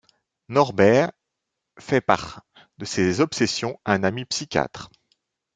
Norbert fait part de ses obsessions à un ami psychiatre.